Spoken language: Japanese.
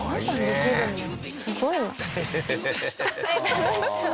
楽しそう。